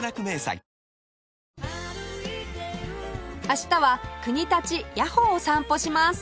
明日は国立谷保を散歩します